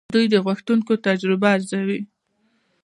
دوی د غوښتونکو تجربه ارزوي.